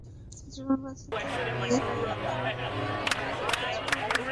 জীবন বাঁচাতে গিয়ে তাড়াহুড়ায় তাদের কাপড়চোপড়সহ প্রয়োজনীয় অনেক কিছু ফেলেও যায়।